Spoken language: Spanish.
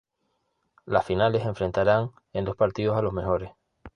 Las finales enfrentarán en dos partidos a los mejores.